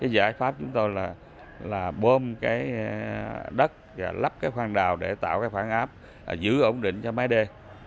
giải pháp chúng tôi là bơm đất lắp khoang đào để tạo phản áp giữ ổn định cho máy đê